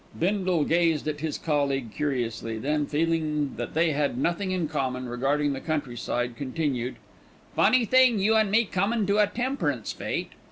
Bindle gazed at his colleague curiously, then, feeling that they had nothing in common regarding the countryside, continued: "Funny thing you an' me comin' to a temperance fête."